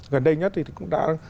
gần đây nhất thì cũng đã